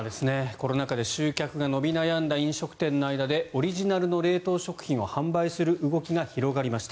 コロナ禍で集客が伸び悩んだ飲食店の間でオリジナルの冷凍食品を販売する動きが広がりました。